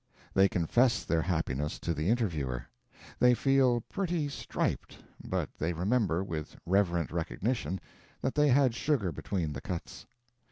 They confess their happiness to the interviewer. They feel pretty striped, but they remember with reverent recognition that they had sugar between the cuts.